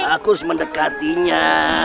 aku harus mendekatinya